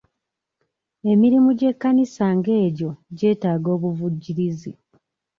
Emirimu gy'ekkanisa ng'egyo gyetaaga obuvujjirizi.